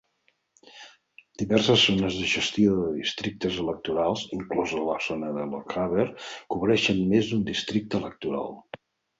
Diverses zones de gestió de districtes electorals, inclosa la zona de Lochaber, cobreixen més d'un districte electoral.